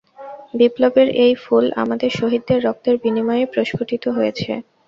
বিপ্লবের এই ফুল আমাদের শহীদদের রক্তের বিনিময়েই প্রস্ফুটিত হয়েছে।